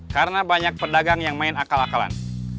karena banyak pedagang yang main akal akalan